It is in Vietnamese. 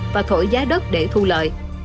và thổi giá đất để thu lợi